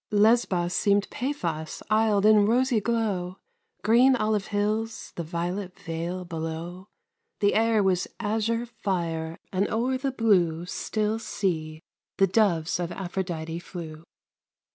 Lesbos seemed Paphos, isled in rosy glow, Green olive hills, the violet vale below; The air was azure fire and o'er the blue Still sea the doves of Aphrodite flew.